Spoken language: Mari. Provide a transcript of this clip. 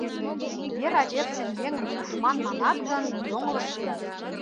Вера верчын еҥым тушман манат гын, йоҥылыш лият.